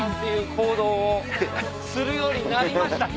行動をするようになりましたか。